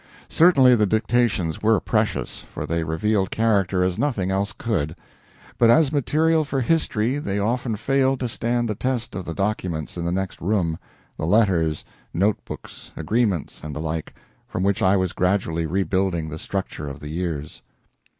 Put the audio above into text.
Certainly the dictations were precious, for they revealed character as nothing else could; but as material for history they often failed to stand the test of the documents in the next room the letters, notebooks, agreements, and the like from which I was gradually rebuilding the structure of the years.